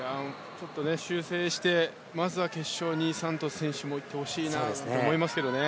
修正してまずは決勝にサントス選手もいってほしいなと思いますけどね。